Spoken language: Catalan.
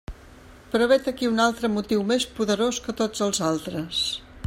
Però vet ací un altre motiu més poderós que tots els altres.